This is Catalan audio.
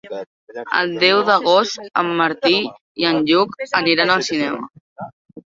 El deu d'agost en Martí i en Lluc aniran al cinema.